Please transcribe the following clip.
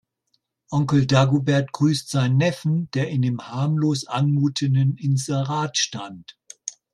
Onkel Dagobert grüßt seinen Neffen, der in dem harmlos anmutenden Inserat stand.